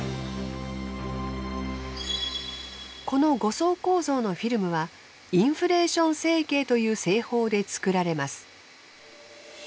この５層構造のフィルムはインフレーション成形という製法で作られます。